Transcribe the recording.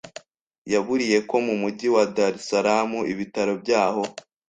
yaburiye ko mu mujyi wa Dar es Salaam ibitaro byaho